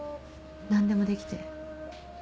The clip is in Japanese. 何でもできて。